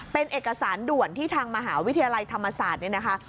เป็นเอกสารด่วนที่ทางมหาวิทยาลัยธรรมศาสตร์เนี่ยนะคะ